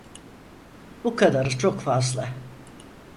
Bu kadarı çok fazla.